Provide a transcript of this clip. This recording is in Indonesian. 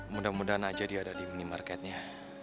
mudah mudahan aja dia ada di minimarketnya